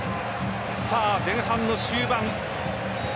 さあ前半の終盤。